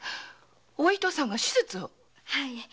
お糸さんが手術を。